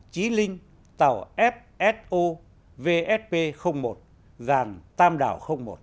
chí linh tàu fso vsp một dàn tam đảo một